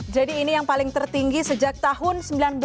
jadi ini yang paling tertinggi sejak tahun seribu sembilan ratus tujuh puluh